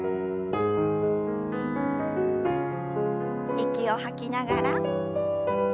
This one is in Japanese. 息を吐きながら戻して。